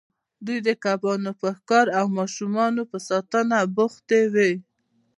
دوی د کبانو په ښکار او ماشومانو په ساتنه بوختې وې.